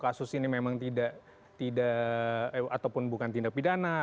kasus ini memang tidak ataupun bukan tindak pidana